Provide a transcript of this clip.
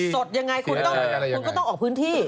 สดยังไงคุณก็ต้องออกพื้นที่